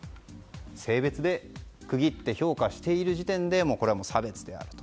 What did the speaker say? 性別で区切って評価している時点で差別であると。